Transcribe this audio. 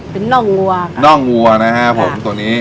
เป็นน่องวัวน่องวัวนะฮะผมตัวนี้